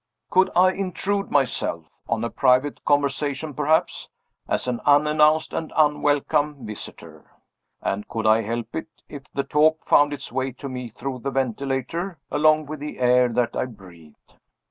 Could I intrude myself (on a private conversation perhaps) as an unannounced and unwelcome visitor? And could I help it, if the talk found its way to me through the ventilator, along with the air that I breathed?